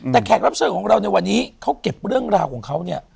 แต่แขกรับเชิญของเราในวันนี้เขาเก็บเรื่องราวของเขาเนี่ย